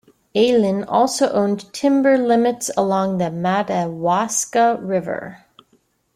Aylen also owned timber limits along the Madawaska River.